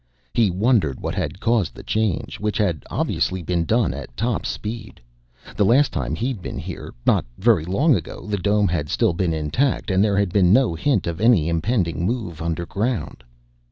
He wondered what had caused the change, which had obviously been done at top speed. The last time he'd been here, not very long ago, the dome had still been intact, and there had been no hint of any impending move underground.